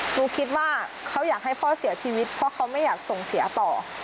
หนูคิดว่าเขาอยากให้พ่อเสียชีวิตเพราะเขาไม่อยากส่งเสียต่อ